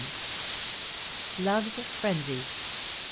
LOVE'S FRENZY.